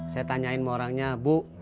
saya tanyain mau orangnya bu